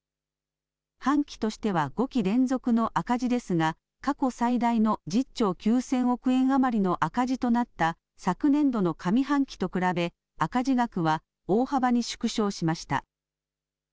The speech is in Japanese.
半期としては５期連続の赤字ですが過去最大の１０兆９０００億円余りの赤字となった昨年度の上半期と比べ赤字額は大幅に縮小しました。